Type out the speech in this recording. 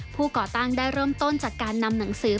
ก่อตั้งได้เริ่มต้นจากการนำหนังสือ